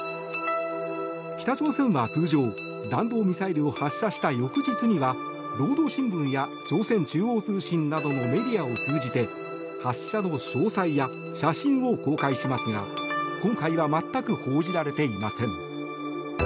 北朝鮮は通常、弾道ミサイルを発射した翌日には労働新聞や朝鮮中央通信などのメディアを通じて発射の詳細や写真を公開しますが今回は全く報じられていません。